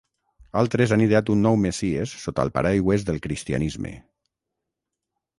Altres han ideat un nou messies sota el paraigües del cristianisme.